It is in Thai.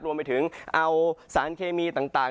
รวมไปถึงเอาสารเคมีต่าง